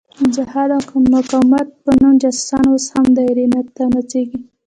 د جهاد او مقاومت په نوم جاسوسان اوس هم دایرې ته نڅېږي.